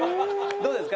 どうですか？